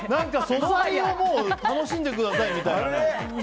素材をもう楽しんでくださいみたいな。